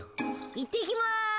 ・いってきます！